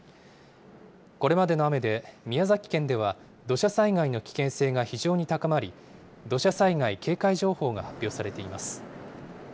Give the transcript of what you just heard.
これまでの雨で、宮崎県では土砂災害の危険性が非常に高まり、土砂災害警戒情報が発表されています。